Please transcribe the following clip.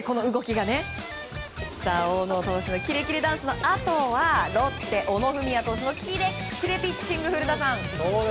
大野投手のキレキレダンスのあとはロッテ小野郁投手のキレキレピッチング、古田さん！